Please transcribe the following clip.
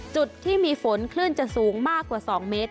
จุดที่มีฝนคลื่นจะสูงมากกว่า๒เมตร